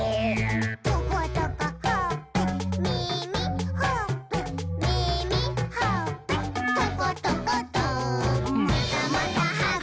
「トコトコほっぺ」「みみ」「ほっぺ」「みみ」「ほっぺ」「トコトコト」「またまたはぐき！はぐき！はぐき！